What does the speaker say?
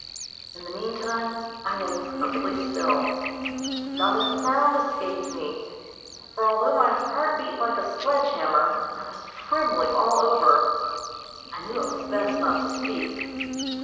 In the meantime I lay perfectly still. Not a sound escaped me, for although my heart beat like a sledge hammer, and I was trembling all over, I knew it was best not to speak.